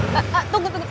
tunggu tunggu tunggu